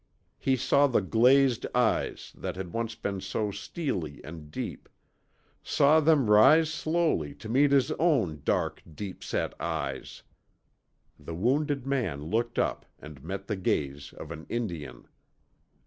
He saw the glazed eyes that had once been so steely and deep; saw them rise slowly to meet his own dark, deep set eyes. The wounded man looked up and met the gaze of an Indian.